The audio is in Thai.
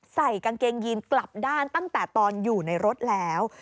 ใส่กางเกงยีนกลับด้านตั้งแต่ตอนอยู่ในรถแล้ว